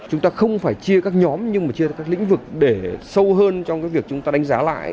chúng ta không phải chia các nhóm nhưng mà chia ra các lĩnh vực để sâu hơn trong cái việc chúng ta đánh giá lại